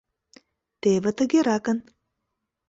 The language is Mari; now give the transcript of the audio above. — Теве тыгеракын.